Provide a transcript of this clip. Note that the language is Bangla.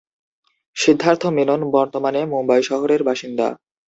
সিদ্ধার্থ মেনন বর্তমানে মুম্বই শহরের বাসিন্দা।